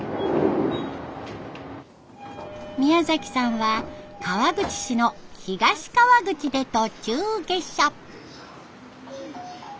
宮さんは川口市の東川口で途中下車。